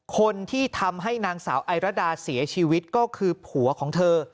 คนที่ทำให้นางสาวไอรดาเสียชีวิตก็คือผัวของเธอ